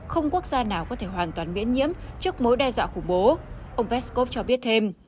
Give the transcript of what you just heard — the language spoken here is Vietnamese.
không quốc gia nào có thể hoàn toàn miễn nhiễm trước mối đe dọa khủng bố ông peskov cho biết thêm